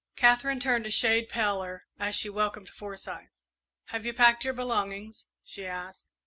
Katherine turned a shade paler as she welcomed Forsyth. "Have you packed your belongings?" she asked.